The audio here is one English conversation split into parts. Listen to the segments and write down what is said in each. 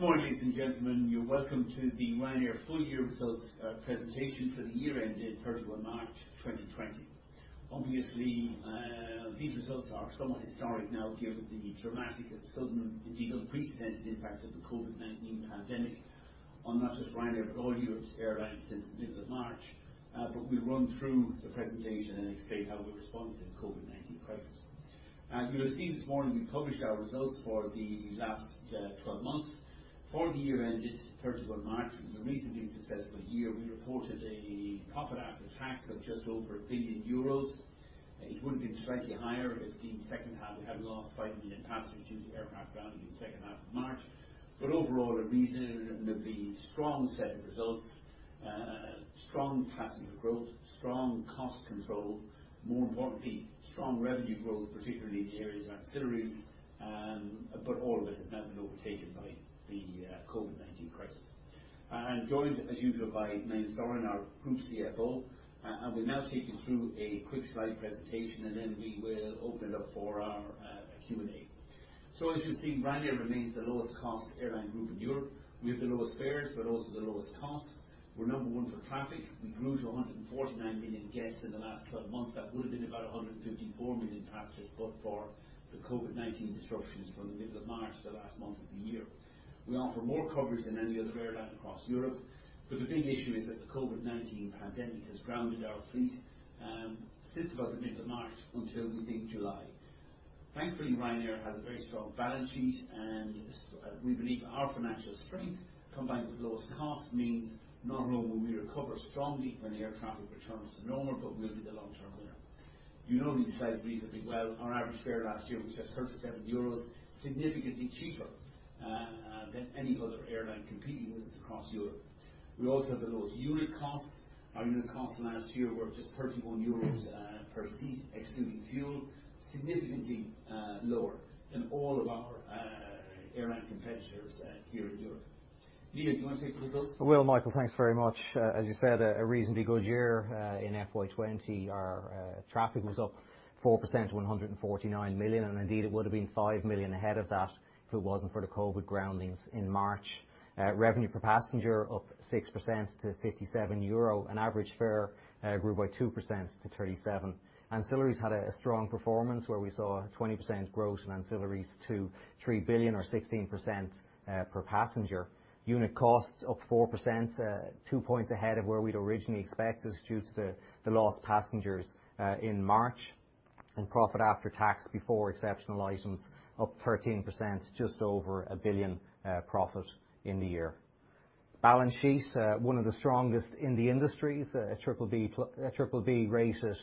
Good morning, ladies and gentlemen. Welcome to the Ryanair full year results presentation for the year ended 31 March 2020. Obviously, these results are somewhat historic now given the dramatic and sudden, indeed unprecedented impact of the COVID-19 pandemic on not just Ryanair, but all of Europe's airlines since the middle of March. We'll run through the presentation and explain how we responded to the COVID-19 crisis. You'll have seen this morning we published our results for the last 12 months. For the year ended 31 March, it was a reasonably successful year. We reported a profit after tax of just over 1 billion euros. It would have been slightly higher if the second half we hadn't lost 5 million passengers due to aircraft grounding in the second half of March. Overall, a reasonably strong set of results, strong passenger growth, strong cost control, more importantly, strong revenue growth, particularly in the areas of ancillaries, but all of it has now been overtaken by the COVID-19 crisis. I'm joined as usual by Neil Sorahan, our Group CFO, and we'll now take you through a quick slide presentation, and then we will open it up for our Q&A. As you're seeing, Ryanair remains the lowest cost airline group in Europe. We have the lowest fares, but also the lowest costs. We're number one for traffic. We grew to 149 million guests in the last 12 months. That would have been about 154 million passengers but for the COVID-19 disruptions from the middle of March to the last month of the year. We offer more coverage than any other airline across Europe. The big issue is that the COVID-19 pandemic has grounded our fleet since about the middle of March until, we think, July. Thankfully, Ryanair has a very strong balance sheet, and we believe our financial strength, combined with the lowest cost, means not only will we recover strongly when air traffic returns to normal, but we'll be the long-term winner. You know these slides reasonably well. Our average fare last year was just 37 euros, significantly cheaper than any other airline competing with us across Europe. We also have the lowest unit costs. Our unit costs last year were just 31 euros per seat, excluding fuel, significantly lower than all of our airline competitors here in Europe. Neil, do you want to take the results? I will, Michael. Thanks very much. As you said, a reasonably good year in FY 2020. Our traffic was up 4% to 149 million, and indeed, it would have been 5 million ahead of that if it wasn't for the COVID groundings in March. Revenue per passenger up 6% to 57 euro. Average fare grew by 2% to 37. Ancillaries had a strong performance where we saw a 20% growth in ancillaries to 3 billion or 16% per passenger. Unit costs up 4%, two points ahead of where we'd originally expected due to the lost passengers in March. Profit after tax before exceptional items up 13%, just over 1 billion profit in the year. Balance sheet, one of the strongest in the industry, a BBB-rated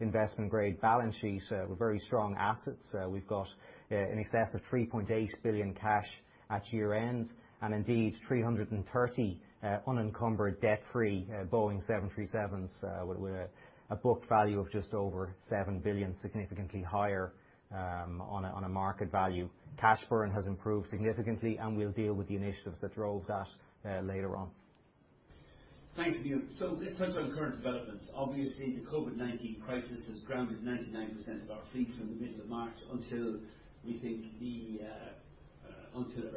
investment grade balance sheet with very strong assets. We've got in excess of 3.8 billion cash at year-end, and indeed 330 unencumbered debt-free Boeing 737s with a book value of just over 7 billion, significantly higher on a market value. Cash burn has improved significantly, and we'll deal with the initiatives that drove that later on. Thanks, Niall. Let's touch on current developments. Obviously, the COVID-19 crisis has grounded 99% of our fleet from the middle of March until, we think,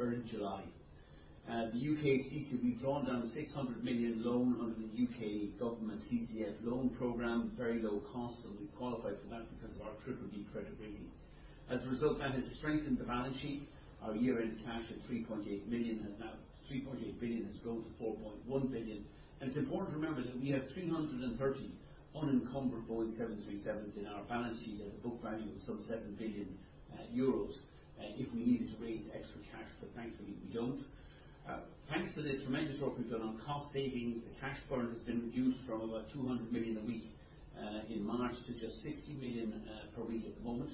early July. The U.K. [is to be drawn down] a 600 million loan under the U.K. government's CCFF loan program, very low cost, we qualify for that because of our BBB credit rating. As a result, that has strengthened the balance sheet. Our year-end cash at 3.8 billion has grown to 4.1 billion. It's important to remember that we have 330 unencumbered Boeing 737s in our balance sheet at a book value of some 7 billion euros if we needed to raise extra cash, thankfully we don't. Thanks to the tremendous work we've done on cost savings, the cash burn has been reduced from about 200 million a week in March to just 60 million per week at the moment.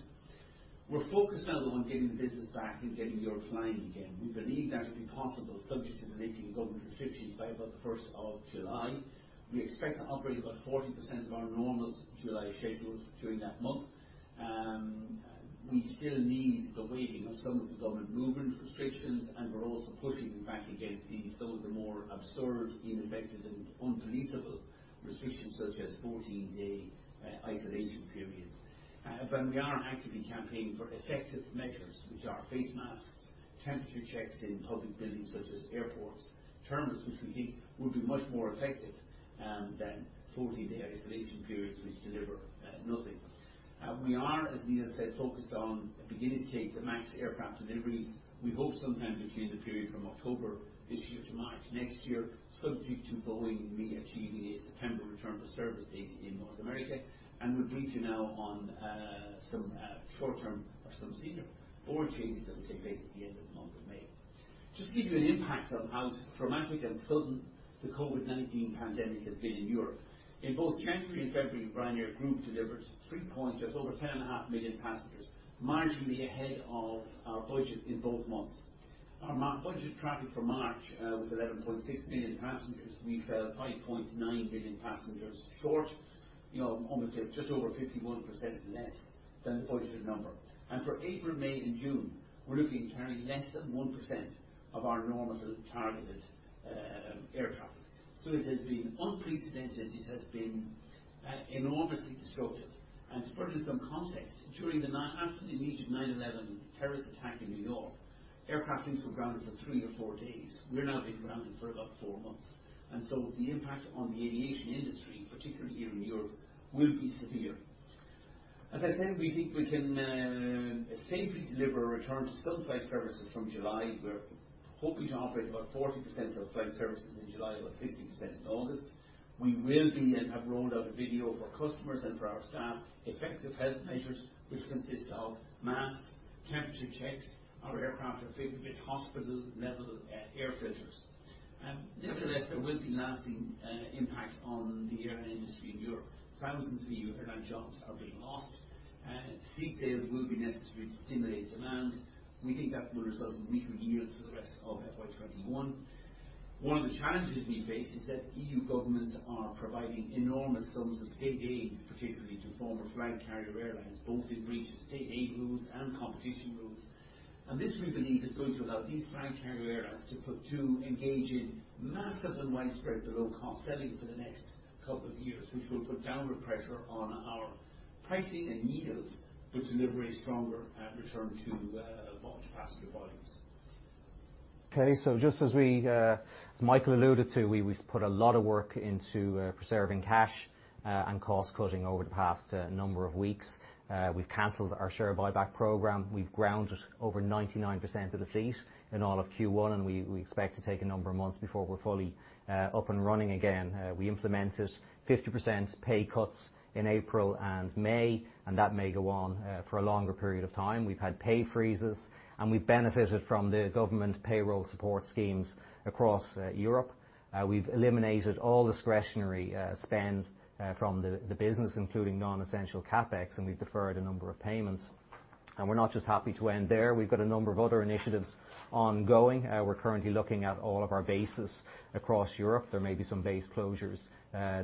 We're focused now on getting the business back and getting Europe flying again. We believe that to be possible subject to the lifting of government restrictions by about the 1st of July. We expect to operate about 40% of our normal July schedules during that month. We still need the waiving of some of the government movement restrictions, we're also pushing back against some of the more absurd, ineffective, and unbelievable restrictions such as 14-day isolation periods. We are actively campaigning for effective measures, which are face masks, temperature checks in public buildings such as airport terminals, which we think would be much more effective than 14-day isolation periods which deliver nothing. We are, as Neil said, focused on beginning to take the MAX aircraft deliveries. We hope sometime between the period from October this year to March next year, subject to Boeing meeting a September return to service date in North America. We'll brief you now on some short-term or some senior board changes that will take place at the end of the month of May. Just to give you an impact on how dramatic and sudden the COVID-19 pandemic has been in Europe. In both January and February, Ryanair Group delivered just over 10.5 million passengers, marginally ahead of our budget in both months. Our budget traffic for March was 11.6 million passengers. We fell 5.9 million passengers short, almost just over 51% less than the budgeted number. For April, May, and June, we're looking to carry less than 1% of our normal targeted air traffic. It has been unprecedented. It has been enormously disruptive. To put this in context, in 9/11 terrorist attack in New York, aircraft were grounded for three to four days. We're now being grounded for about four months. The impact on the aviation industry, particularly here in Europe, will be severe. As I said, we think we can safely deliver a return to some flight services from July. We're hoping to operate about 40% of flight services in July, about 60% in August. We will be, and have rolled out a video for customers and for our staff, effective health measures which consist of masks, temperature checks. Our aircraft are fitted with hospital-level air filters. Nevertheless, there will be lasting impact on the airline industry in Europe. Thousands of EU airline jobs are being lost. State aid will be necessary to stimulate demand. We think that will result in weaker yields for the rest of FY 2021. One of the challenges we face is that EU governments are providing enormous sums of state aid, particularly to former flag carrier airlines, both in breach of state aid rules and competition rules. This, we believe, is going to allow these flag carrier airlines to engage in massive and widespread below cost selling for the next couple of years, which will put downward pressure on our pricing and yields, but deliver a stronger return to passenger volumes. Okay. Just as Michael alluded to, we've put a lot of work into preserving cash and cost-cutting over the past number of weeks. We've canceled our share buyback program. We've grounded over 99% of the fleet in all of Q1, and we expect to take a number of months before we're fully up and running again. We implemented 50% pay cuts in April and May, and that may go on for a longer period of time. We've had pay freezes, and we've benefited from the government payroll support schemes across Europe. We've eliminated all discretionary spend from the business, including non-essential CapEx, and we've deferred a number of payments. We're not just happy to end there. We've got a number of other initiatives ongoing. We're currently looking at all of our bases across Europe. There may be some base closures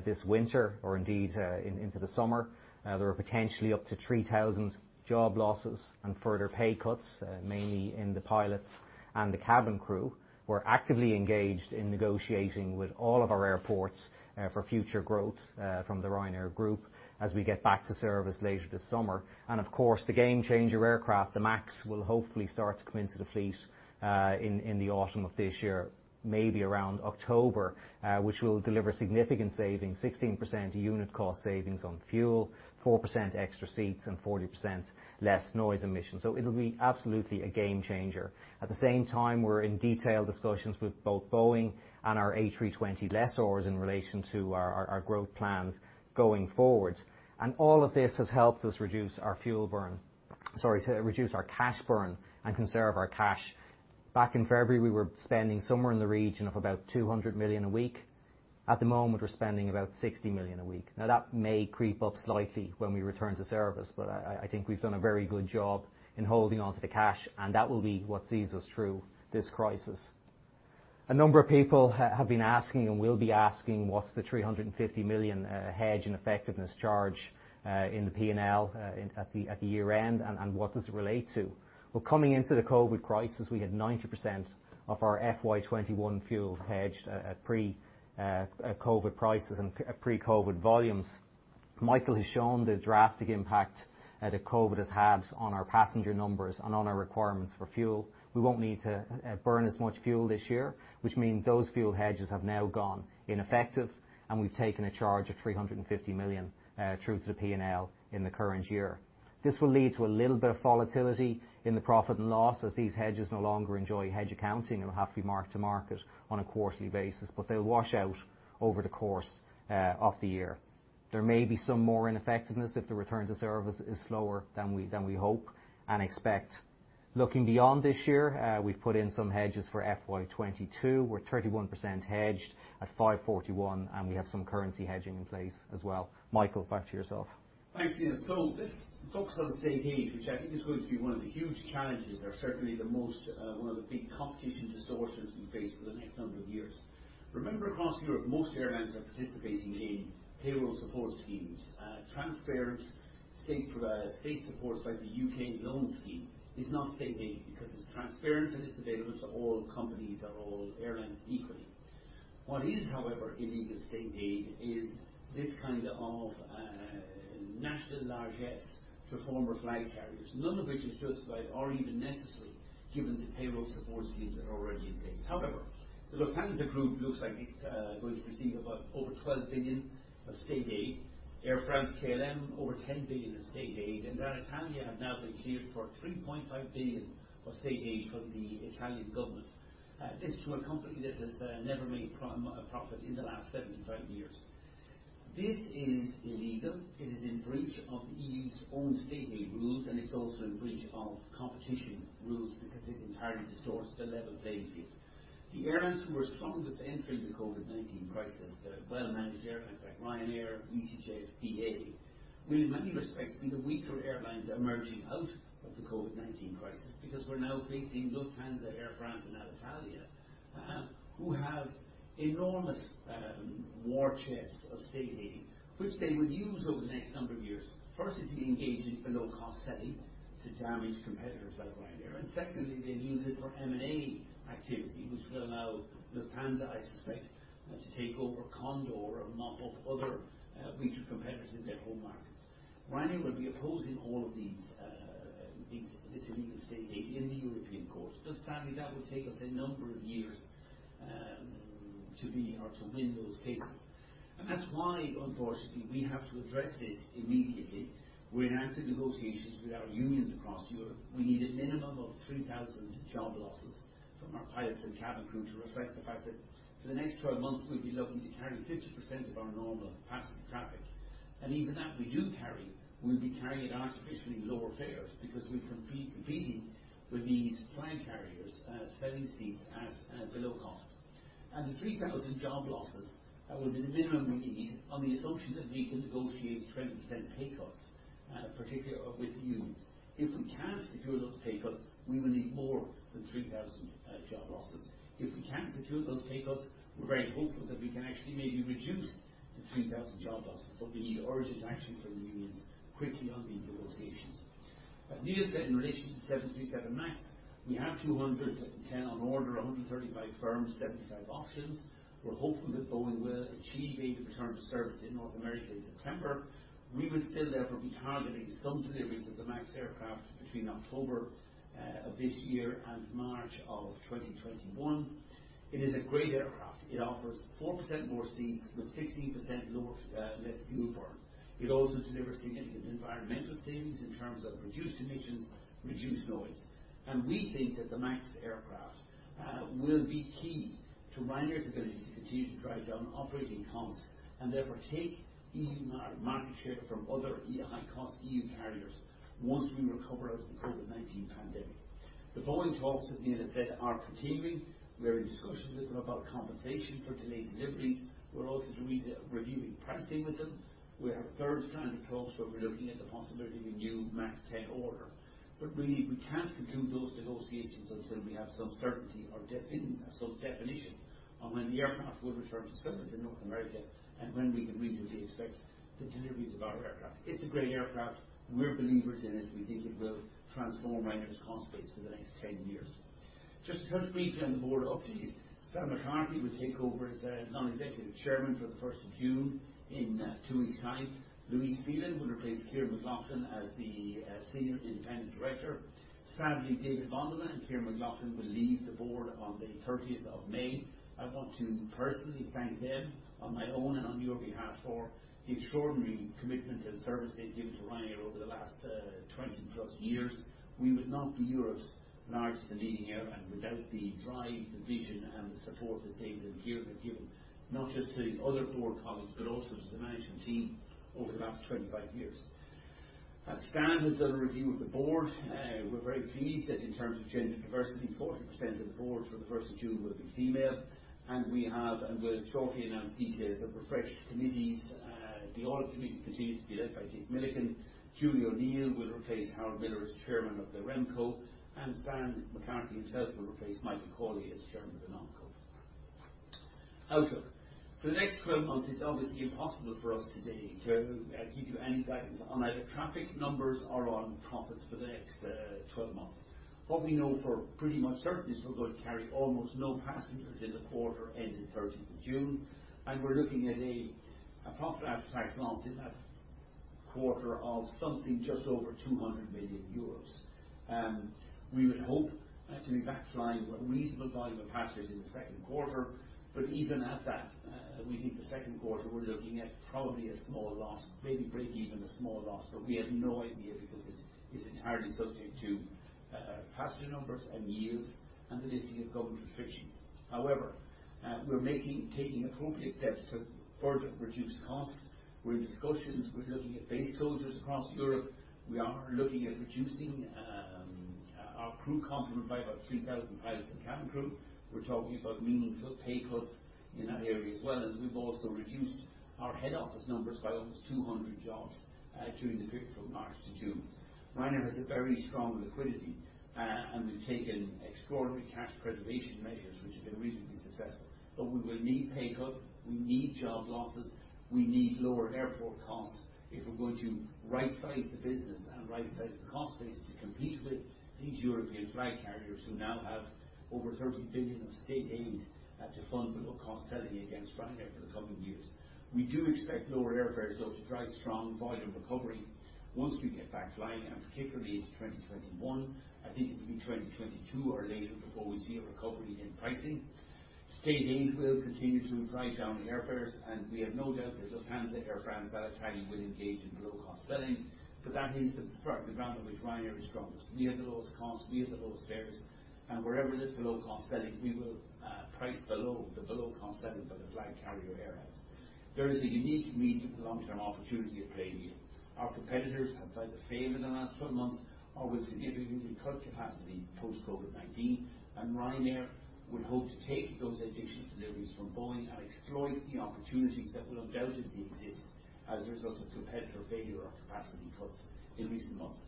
this winter or indeed into the summer. There are potentially up to 3,000 job losses and further pay cuts, mainly in the pilots and the cabin crew. We're actively engaged in negotiating with all of our airports for future growth from the Ryanair Group as we get back to service later this summer. Of course, the game changer aircraft, the MAX, will hopefully start to come into the fleet in the autumn of this year, maybe around October which will deliver significant savings, 16% unit cost savings on fuel, 4% extra seats and 40% less noise emission. It'll be absolutely a game changer. At the same time, we're in detailed discussions with both Boeing and our A320 lessors in relation to our growth plans going forward. All of this has helped us reduce our cash burn and conserve our cash. Back in February, we were spending somewhere in the region of about 200 million a week. At the moment, we're spending about 60 million a week. That may creep up slightly when we return to service, but I think we've done a very good job in holding onto the cash, and that will be what sees us through this crisis. A number of people have been asking and will be asking, what's the 350 million hedge ineffectiveness charge in the P&L at the year-end, and what does it relate to? Well, coming into the COVID crisis, we had 90% of our FY 2021 fuel hedged at pre-COVID prices and pre-COVID volumes. Michael has shown the drastic impact that COVID has had on our passenger numbers and on our requirements for fuel. We won't need to burn as much fuel this year, which means those fuel hedges have now gone ineffective, and we've taken a charge of 350 million through to the P&L in the current year. This will lead to a little bit of volatility in the profit and loss as these hedges no longer enjoy hedge accounting and will have to be marked to market on a quarterly basis, but they'll wash out over the course of the year. There may be some more ineffectiveness if the return to service is slower than we hope and expect. Looking beyond this year, we've put in some hedges for FY 2022. We're 31% hedged at 541, and we have some currency hedging in place as well. Michael, back to yourself. Thanks, Neil. Let's focus on state aid, which I think is going to be one of the huge challenges, or certainly one of the big competition distortions we face for the next number of years. Remember, across Europe, most airlines are participating in payroll support schemes. Transparent state supports like the U.K. loan scheme is not state aid because it's transparent and it's available to all companies or all airlines equally. What is, however, illegal state aid is this kind of national largesse to former flag carriers, none of which is justified or even necessary given the payroll support schemes that are already in place. However, the Lufthansa Group looks like it's going to receive over $12 billion of state aid. Air France-KLM, over $10 billion of state aid, and Alitalia have now been cleared for $3.5 billion of state aid from the Italian government. This to a company that has never made a profit in the last 75 years. This is illegal. It is in breach of the EU's own state aid rules. It's also in breach of competition rules because it entirely distorts the level playing field. The airlines who are strongest entering the COVID-19 crisis, the well-managed airlines like Ryanair, easyJet, BA, will in many respects be the weaker airlines emerging out of the COVID-19 crisis because we're now facing Lufthansa, Air France and Alitalia who have enormous war chests of state aid, which they would use over the next number of years. Firstly, to engage in below-cost selling to damage competitors like Ryanair. Secondly, they'll use it for M&A activity, which will allow Lufthansa, I suspect, to take over Condor and mop up other weaker competitors in their home markets. Ryanair will be opposing all of this illegal state aid in the European courts. Sadly, that will take us a number of years to win those cases. That's why, unfortunately, we have to address this immediately. We're now into negotiations with our unions across Europe. We need a minimum of 3,000 job losses from our pilots and cabin crew to reflect the fact that for the next 12 months, we'd be lucky to carry 50% of our normal passenger traffic. Even that we do carry, we'll be carrying at artificially lower fares because we're competing with these flag carriers selling seats at below cost. The 3,000 job losses would be the minimum we need on the assumption that we can negotiate 20% pay cuts, particularly with the unions. If we can't secure those pay cuts, we will need more than 3,000 job losses. If we can secure those pay cuts, we're very hopeful that we can actually maybe reduce to 3,000 job losses. We need urgent action from the unions quickly on these negotiations. As Neil said, in relation to 737 MAX, we have 210 on order, 135 firm, 75 options. We're hopeful that Boeing will achieve a return to service in North America in September. We will still, therefore, be targeting some deliveries of the MAX aircraft between October of this year and March of 2021. It is a great aircraft. It offers 4% more seats with 16% less fuel burn. It also delivers significant environmental savings in terms of reduced emissions, reduced noise. We think that the MAX aircraft will be key to Ryanair's ability to continue to drive down operating costs and therefore take EU market share from other high-cost EU carriers once we recover out of the COVID-19 pandemic. The Boeing talks, as Neil said, are continuing. We're in discussions with them about compensation for delayed deliveries. We're also reviewing pricing with them. We have third round of talks where we're looking at the possibility of a new MAX-10 order. Really, we can't conclude those negotiations until we have some certainty or some definition on when the aircraft will return to service in North America and when we can reasonably expect the deliveries of our aircraft. It's a great aircraft, and we're believers in it. We think it will transform Ryanair's cost base for the next 10 years. Just to touch briefly on the board updates. Stan McCarthy will take over as non-executive Chairman for the 1st of June in two weeks' time. Louise Phelan will replace Kyran McLaughlin as the Senior Independent Director. Sadly, David Bonderman and Kyran McLaughlin will leave the board on the 30th of May. I want to personally thank them on my own and on your behalf for the extraordinary commitment to the service they've given to Ryanair over the last 20-plus years. We would not be Europe's largest and leading airline without the drive, the vision, and the support that David and Kyran have given, not just to the other board colleagues, but also to the management team over the last 25 years. Stan has done a review of the board. We're very pleased that in terms of gender diversity, 40% of the board from the 1st of June will be female, and we have and will shortly announce details of refreshed committees. The Audit Committee continues to be led by Dick Milliken. Julie O'Neill will replace Howard Millar as Chairman of the RemCo, and Stan McCarthy himself will replace Michael Cawley as Chairman of the NomCo. Outlook. For the next 12 months, it's obviously impossible for us today to give you any guidance on either traffic numbers or on profits for the next 12 months. What we know for pretty much certain is we're going to carry almost no passengers in the quarter ending 30th of June, and we're looking at a profit after tax loss in that quarter of something just over 200 million euros. We would hope to be back flying a reasonable volume of passengers in the second quarter. Even at that, we think the second quarter, we're looking at probably a small loss, maybe break even, a small loss. We have no idea because it's entirely subject to passenger numbers and yields and the lifting of government restrictions. However, we're taking appropriate steps to further reduce costs. We're in discussions. We're looking at base closures across Europe. We are looking at reducing our crew complement by about 3,000 pilots and cabin crew. We're talking about meaningful pay cuts in that area as well, and we've also reduced our head office numbers by almost 200 jobs during the period from March to June. Ryanair has a very strong liquidity, and we've taken extraordinary cash preservation measures, which have been reasonably successful. We will need pay cuts, we need job losses, we need lower airport costs if we're going to right-size the business and right-size the cost base to compete with these European flag carriers who now have over 30 billion of state aid to fund below-cost selling against Ryanair for the coming years. We do expect lower airfares, though, to drive strong volume recovery once we get back flying, and particularly into 2021. I think it will be 2022 or later before we see a recovery in pricing. State aid will continue to drive down airfares, and we have no doubt that Lufthansa, Air France, and Alitalia will engage in below-cost selling. That is the ground on which Ryanair is strongest. We have the lowest costs, we have the lowest fares, and wherever there's below-cost selling, we will price below the below-cost selling by the flag carrier airlines. There is a unique medium to long-term opportunity at play here. Our competitors have either failed in the last 12 months or will significantly cut capacity post-COVID-19, and Ryanair would hope to take those additional deliveries from Boeing and exploit the opportunities that will undoubtedly exist as a result of competitor failure or capacity cuts in recent months.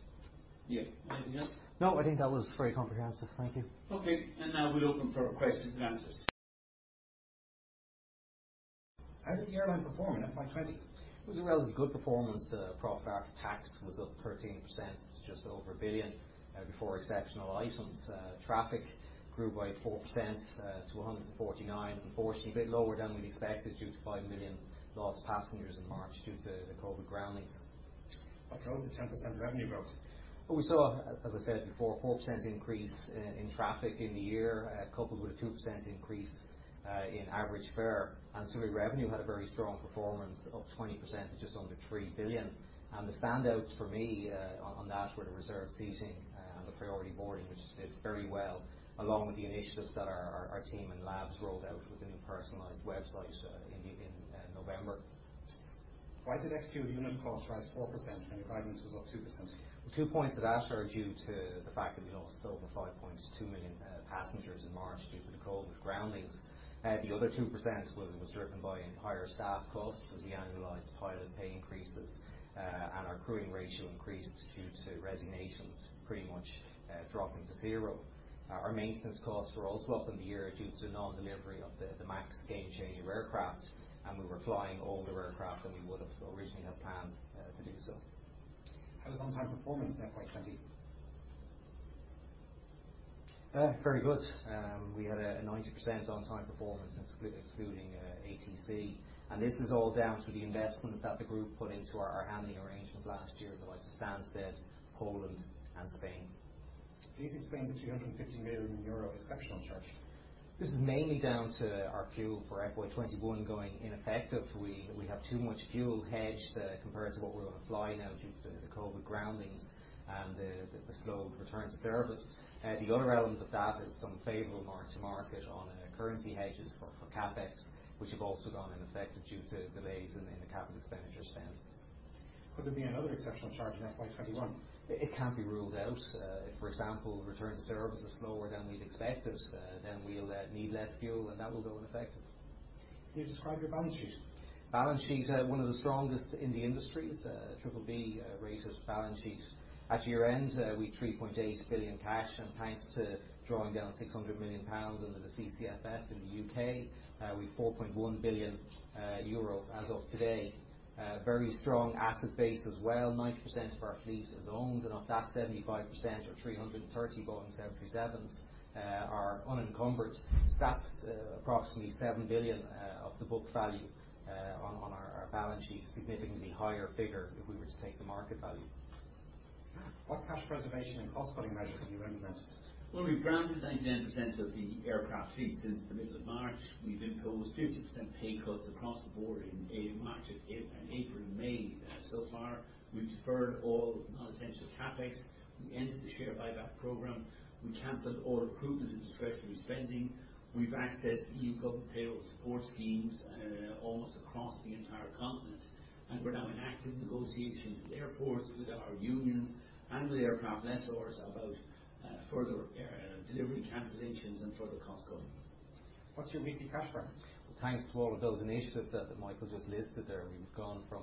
Yeah. Anything else? No, I think that was very comprehensive. Thank you. Okay. Now we're open for questions and answers. How did the airline perform in FY 2020? It was a relatively good performance. Profit after tax was up 13% to just over 1 billion, before exceptional items. Traffic grew by 4%, to 149. Unfortunately, a bit lower than we'd expected due to 5 million lost passengers in March due to the COVID-19 groundings. What drove the 10% revenue growth? We saw, as I said before, 4% increase in traffic in the year, coupled with a 2% increase in average fare. Our revenue had a very strong performance, up 20% to just under 3 billion. The standouts for me on that were the reserve seating and the priority boarding, which did very well, along with the initiatives that our team and Labs rolled out with the new personalized website in November. Why did ex-fuel unit cost rise 4% when your guidance was up 2%? The two points of that are due to the fact that we lost over 5.2 million passengers in March due to the COVID groundings. The other 2% was driven by higher staff costs as we annualized pilot pay increases, and our crewing ratio increased due to resignations pretty much dropping to zero. Our maintenance costs were also up in the year due to non-delivery of the MAX game-changing aircraft, and we were flying older aircraft than we would have originally had planned to do so. How was on-time performance in FY 2020? Very good. We had a 90% on-time performance excluding ATC. This is all down to the investment that the group put into our handling arrangements last year at the likes of Stansted, Poland and Spain. Please explain the 350 million euro exceptional charge? This is mainly down to our fuel for FY21 going ineffective. We have too much fuel hedged compared to what we're going to fly now due to the COVID groundings and the slow return to service. The other element of that is some favorable mark to market on currency hedges for CapEx, which have also gone ineffective due to delays in the capital expenditure spend. Could there be another exceptional charge in FY 2021? It can't be ruled out. If, for example, return to service is slower than we'd expected, then we'll need less fuel and that will go ineffective. Can you describe your balance sheet? Balance sheet, one of the strongest in the industry. It's a BBB rated balance sheet. At year-end, we had 3.8 billion cash, and thanks to drawing down 600 million pounds under the CCFF in the U.K., we had 4.1 billion euro as of today. Very strong asset base as well. 90% of our fleet is owned, and of that, 75% or 330 Boeing 737s are unencumbered. That's approximately 7 billion of the book value on our balance sheet, a significantly higher figure if we were to take the market value. What cash preservation and cost-cutting measures have you implemented? We've grounded 99% of the aircraft fleet since the middle of March. We've imposed 50% pay cuts across the board in March and April and May so far. We've deferred all non-essential CapEx. We ended the share buyback program. We canceled all recruitments [into treasury spending]. We've accessed EU government payroll support schemes almost across the entire continent, and we're now in active negotiation with airports, with our unions, and with aircraft lessors about further delivery cancellations and further cost cutting. What's your weekly cash burn? Well, thanks to all of those initiatives that Michael just listed there, we've gone from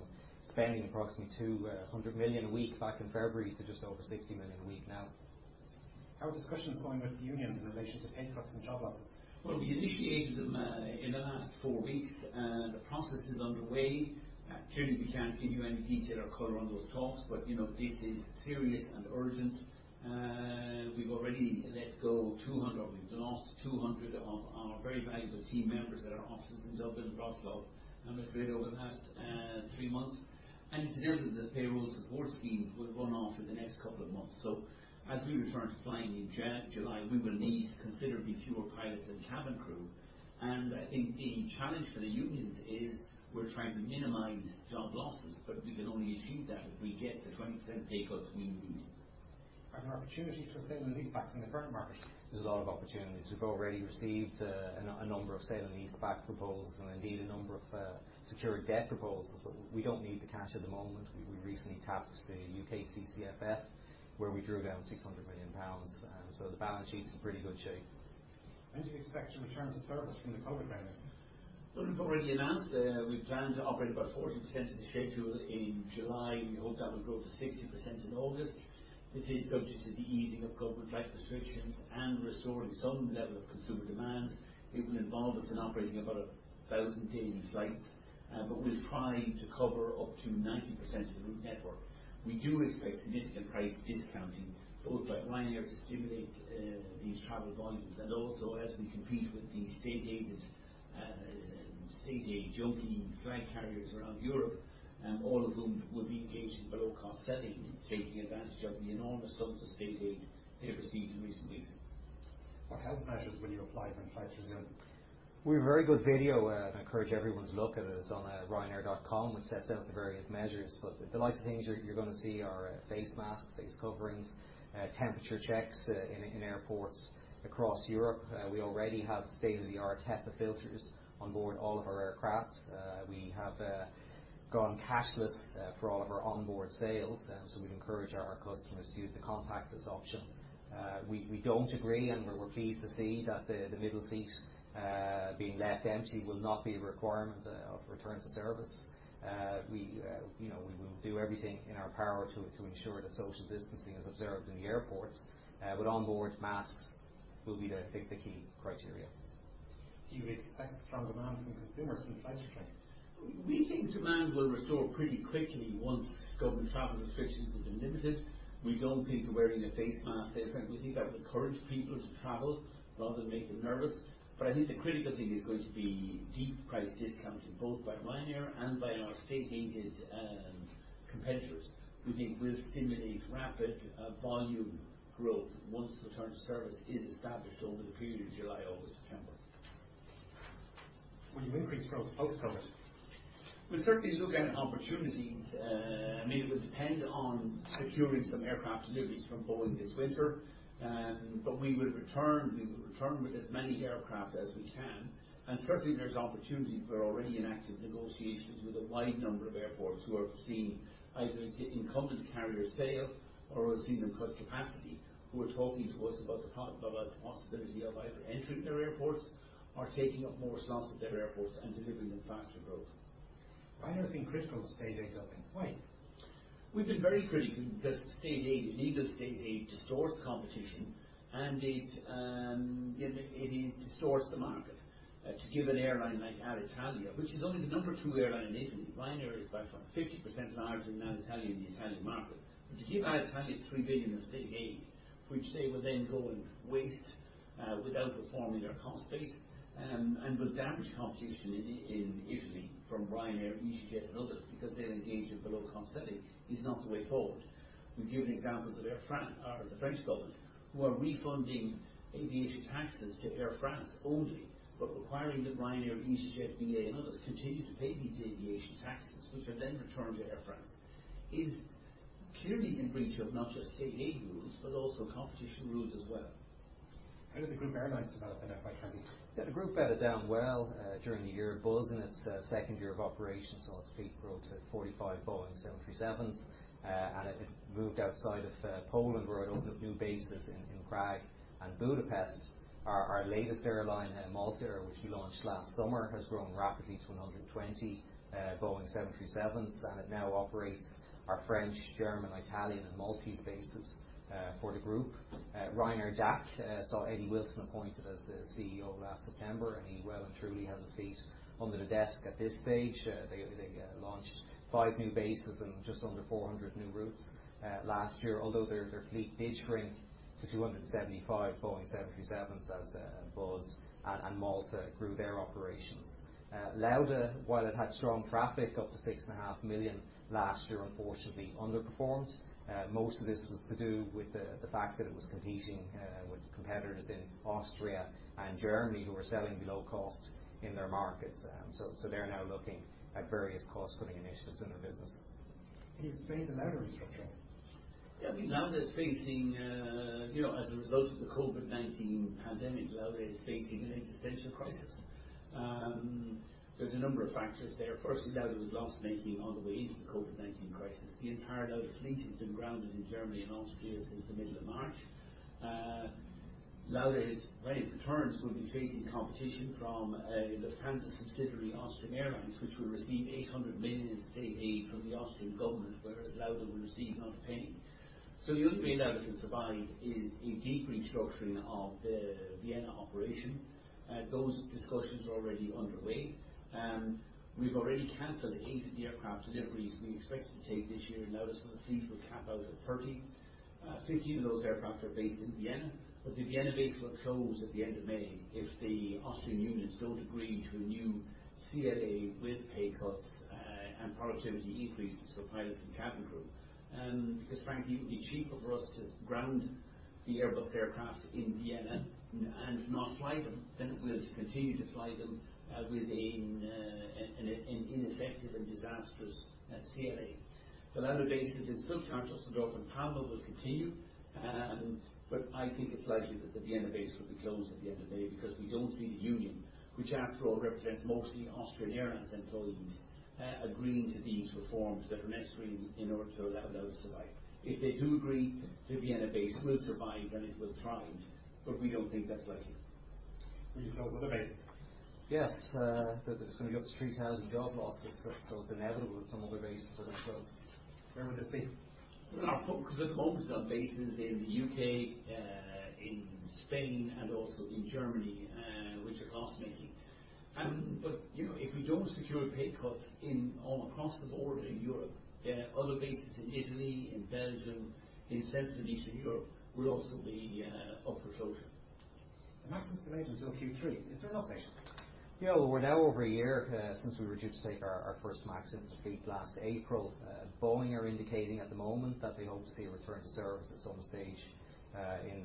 spending approximately 200 million a week back in February to just over 60 million a week now. How are discussions going with the unions in relation to pay cuts and job losses? Well, we initiated them in the last four weeks. The process is underway. We can't give you any detail or color on those talks, but this is serious and urgent. We've already let go 200 of our very valuable team members at our offices in Dublin, Bratislava, and Madrid over the past three months. It's inevitable that the payroll support schemes will run off in the next couple of months. As we return to flying in July, we will need considerably fewer pilots and cabin crew. I think the challenge for the unions is we're trying to minimize job losses, but we can only achieve that if we get the 20% pay cuts we need. Are there opportunities for sale and leasebacks in the current market? There's a lot of opportunities. We've already received a number of sale and leaseback proposals and indeed a number of secured debt proposals, but we don't need the cash at the moment. We recently tapped the U.K. CCFF, where we drew down 600 million pounds. The balance sheet's in pretty good shape. When do you expect to return to service from the COVID groundings? Well, we've already announced we plan to operate about 40% of the schedule in July. We hope that will grow to 60% in August. This is subject to the easing of government flag restrictions and restoring some level of consumer demand. It will involve us in operating about 1,000 daily flights. We'll try to cover up to 90% of the route network. We do expect significant price discounting, both by Ryanair to stimulate these travel volumes and also as we compete with the state aid junkie flight carriers around Europe, all of whom will be engaged in below-cost selling, taking advantage of the enormous sums of state aid they received in recent weeks. What health measures will you apply when flights resume? We have a very good video, and I encourage everyone to look at it. It's on ryanair.com, which sets out the various measures. The likes of things you're going to see are face masks, face coverings, temperature checks in airports across Europe. We already have state-of-the-art HEPA filters on board all of our aircraft. We have gone cashless for all of our onboard sales, so we'd encourage our customers to use the contactless option. We don't agree, and we were pleased to see that the middle seat being left empty will not be a requirement of return to service. We will do everything in our power to ensure that social distancing is observed in the airports. Onboard, masks will be the key criteria. Do you expect strong demand from consumers when flights return? We think demand will restore pretty quickly once government travel restrictions have been lifted. We don't think wearing a face mask is going to encourage people to travel rather than make them nervous. I think the critical thing is going to be deep price discounts, both by Ryanair and by our state-aided competitors, we think will stimulate rapid volume growth once return to service is established over the period of July, August, September. Will you increase growth post-COVID? We'll certainly look at opportunities. It will depend on securing some aircraft deliveries from Boeing this winter. We will return with as many aircraft as we can, and certainly there's opportunities. We're already in active negotiations with a wide number of airports who have seen either its incumbent carrier fail or have seen them cut capacity, who are talking to us about the possibility of either entering their airports or taking up more slots at their airports and delivering them faster growth. Ryanair have been critical of state aid. Why? We've been very critical because state aid distorts competition, and it distorts the market. To give an airline like Alitalia, which is only the number 2 airline in Italy, Ryanair is about 50% larger than Alitalia in the Italian market. To give Alitalia 3 billion in state aid, which they will then go and waste without reforming their cost base, and will damage competition in Italy from Ryanair, easyJet and others because they'll engage in below cost selling, is not the way forward. We've given examples of the French government, who are refunding aviation taxes to Air France only, but requiring that Ryanair, easyJet, BA and others continue to pay these aviation taxes, which are then returned to Air France, is clearly in breach of not just state aid rules, but also competition rules as well. How did the group airlines develop in FY 2020? The group bedded down well during the year. Buzz in its second year of operation saw its fleet grow to 45 Boeing 737s. It moved outside of Poland where it opened up new bases in Prague and Budapest. Our latest airline, Malta Air, which we launched last summer, has grown rapidly to 120 Boeing 737s. It now operates our French, German, Italian and Maltese bases for the group. Ryanair DAC saw Eddie Wilson appointed as the CEO last September. He well and truly has his feet under the desk at this stage. They launched five new bases and just under 400 new routes last year, although their fleet did shrink to 275 Boeing 737s as Buzz and Malta grew their operations. Lauda, while it had strong traffic up to 6.5 million last year, unfortunately underperformed. Most of this was to do with the fact that it was competing with competitors in Austria and Germany who are selling below cost in their markets. They're now looking at various cost-cutting initiatives in their business. Can you explain the Lauda restructure? Lauda is facing, as a result of the COVID-19 pandemic, an existential crisis. There's a number of factors there. Firstly, Lauda was loss-making all the way into the COVID-19 crisis. The entire Lauda fleet has been grounded in Germany and Austria since the middle of March. Lauda when it returns will be facing competition from the Lufthansa subsidiary Austrian Airlines, which will receive 800 million in state aid from the Austrian government, whereas Lauda will receive not a penny. The only way Lauda can survive is a deep restructuring of the Vienna operation. Those discussions are already underway. We've already canceled eight of the aircraft deliveries we expected to take this year. Lauda's fleet will cap out at 30. 15 of those aircraft are based in Vienna, but the Vienna base will close at the end of May if the Austrian unions don't agree to a new CLA with pay cuts and productivity increases for pilots and cabin crew. Frankly, it would be cheaper for us to ground the Airbus aircraft in Vienna and not fly them, than it will to continue to fly them with an ineffective and disastrous CLA. The Lauda bases in Stuttgart, Dusseldorf and Palma will continue, but I think it's likely that the Vienna base will be closed at the end of May because we don't see the union, which after all represents mostly Austrian Airlines employees, agreeing to these reforms that are necessary in order to allow Lauda to survive. If they do agree, the Vienna base will survive, and it will thrive, but we don't think that's likely. Will you close other bases? Yes. There's going to be up to 3,000 jobs lost. It's inevitable that some other bases will have to close. Where would this be? At the moment our bases are in the U.K., in Spain and also in Germany, which are cost-making. If we don't secure pay cuts across the board in Europe, other bases in Italy, in Belgium, in Central and Eastern Europe will also be up for closure. The MAX's delay until Q3, is there an update? We're now over a year since we were due to take our first MAX into fleet last April. Boeing are indicating at the moment that they hope to see a return to service at some stage in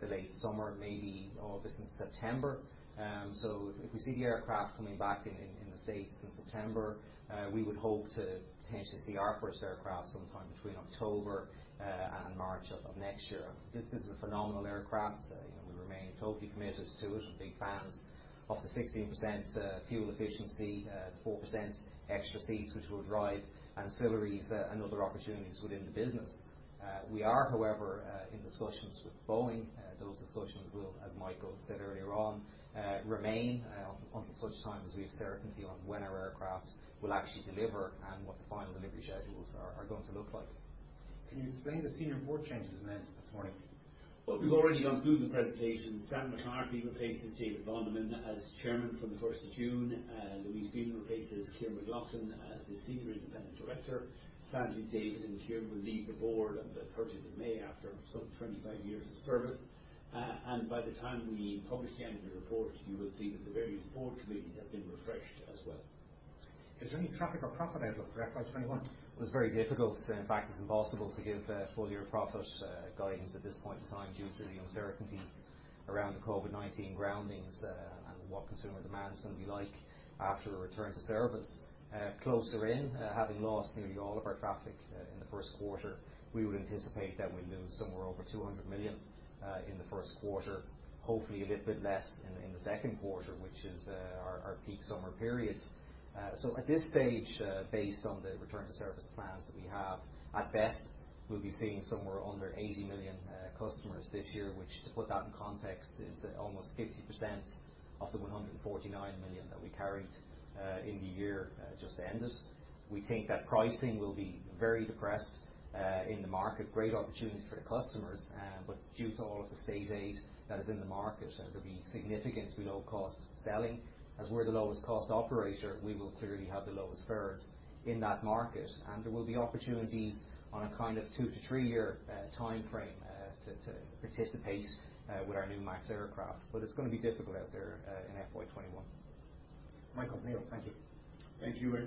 the late summer, maybe August and September. If we see the aircraft coming back in the U.S. in September, we would hope to potentially see our first aircraft sometime between October and March of next year. This is a phenomenal aircraft. We remain totally committed to it and big fans of the 16% fuel efficiency, 4% extra seats which will drive ancillaries and other opportunities within the business. We are, however, in discussions with Boeing. Those discussions will, as Michael said earlier on, remain until such time as we have certainty on when our aircraft will actually deliver and what the final delivery schedules are going to look like. Can you explain the senior board changes announced this morning? We've already gone through them in the presentation. Stan McCarthy replaces David Bonderman as chairman from the 1st of June. Louise Phelan replaces Kyran McLaughlin as the senior independent director. David and Kyran will leave the board on the 30th of May after some 25 years of service. By the time we publish the annual report, you will see that the various board committees have been refreshed as well. Is there any traffic or profit outlook for FY 2021? It's very difficult. In fact, it's impossible to give full year profit guidance at this point in time due to the uncertainty around the COVID-19 groundings and what consumer demand is going to be like after a return to service. Closer in, having lost nearly all of our traffic in the first quarter, we would anticipate that we'll lose somewhere over 200 million in the first quarter, hopefully a little bit less in the second quarter, which is our peak summer period. At this stage, based on the return to service plans that we have, at best, we'll be seeing somewhere under 80 million customers this year, which to put that in context, is almost 50% of the 149 million that we carried in the year just ended. We think that pricing will be very depressed in the market, great opportunities for the customers. Due to all of the state aid that is in the market, there will be significantly below cost-selling. As we are the lowest cost operator, we will clearly have the lowest fares in that market, and there will be opportunities on a kind of two to three-year timeframe to participate with our new MAX aircraft. It is going to be difficult out there in FY 2021. Michael, Neil, thank you. Thank you very much.